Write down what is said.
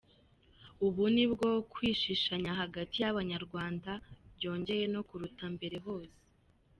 Ubu nibwo kwishishanya hagati y’abanyarwanda byogeye no kuruta mbere hose.